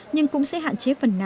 nhưng cũng sẽ hạn chế phần nào